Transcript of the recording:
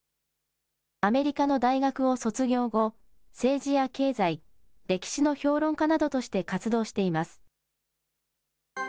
アメリカの大学を卒業後、政治や経済、歴史の評論家などとして活動しています。